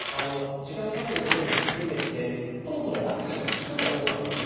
時間がたっていることも含めてそもそもワクチンが効くかどうかという議論